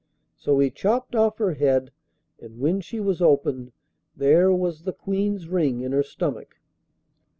So he chopped off her head, and when she was opened there was the Queen's ring in her stomach.